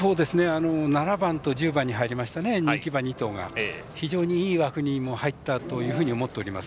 ７番と１０番に入りました人気馬２頭がいい枠に入ったというふうに思っております。